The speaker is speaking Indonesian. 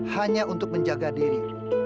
hanya untuk menjaga diri